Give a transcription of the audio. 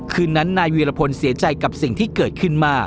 คืนนั้นนายวีรพลเสียใจกับสิ่งที่เกิดขึ้นมา